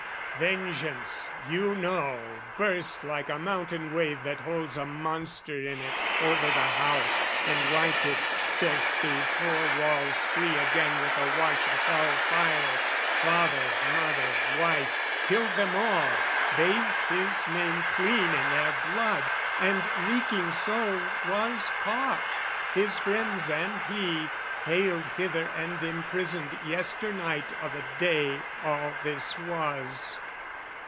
Vengeance, you know, burst, like a mountain wave That holds a monster in it, over the house, And wiped its filthy four walls free again With a wash of hell fire, father, mother, wife, Killed them all, bathed his name clean in their blood, And, reeking so, was caught, his friends and he, Haled hither and imprisoned yesternight O' the day all this was.